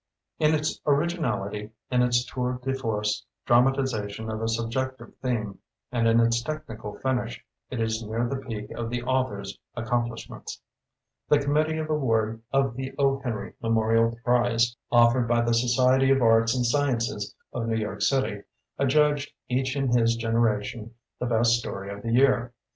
In it originality, in its tour de force dramatization of a subjective theme, and in its technical finish, it is near the peak of the author's accom plishments. The Conmiittee of Award of the 0. Henry Memorial Prize, of fered by the Society of Arts and Sci ences of New York City, adjudged "Each in His Generation" the best story of the year.